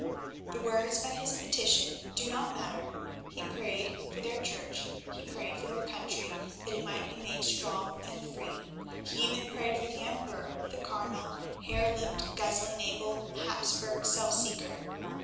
The words of his petition do not matter. He prayed for their Church; he prayed for their country that it might be made strong and free; he even prayed for the Emperor, the carnal, hare lipped, guzzling, able Hapsburg self seeker.